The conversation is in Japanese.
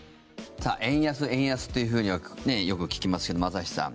円安、円安というふうによく聞きますけど、朝日さん。